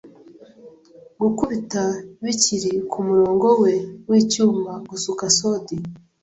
Gukubita bikiri ku murongo we wicyuma Gusuka sodi